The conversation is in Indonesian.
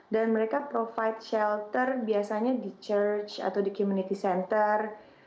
dan mereka provide shelter biasanya di church atau di community center